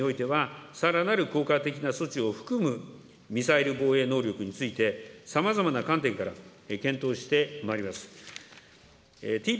こうした状況下で、政府においては、さらなる効果的な措置を含むミサイル防衛能力について、さまざまな観点から検討してまいります。